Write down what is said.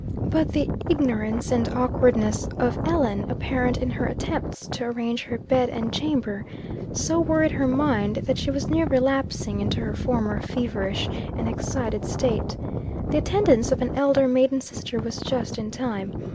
But the ignorance and awkwardness of Ellen, apparent in her attempts to arrange her bed and chamber, so worried her mind, that she was near relapsing into her former feverish and excited state. The attendance of an elder maiden sister was just in time.